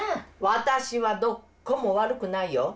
私はどっこも悪くないよ！